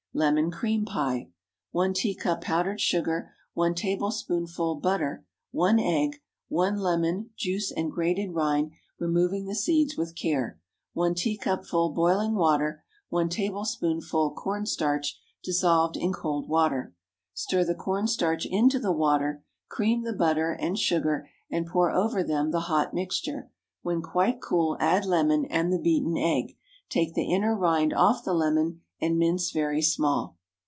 LEMON CREAM PIE. ✠ 1 teacup powdered sugar. 1 tablespoonful butter. 1 egg. 1 lemon—juice and grated rind, removing the seeds with care. 1 teacupful boiling water. 1 tablespoonful corn starch, dissolved in cold water. Stir the corn starch into the water, cream the butter and sugar, and pour over them the hot mixture. When quite cool, add lemon and the beaten egg. Take the inner rind off the lemon and mince very small.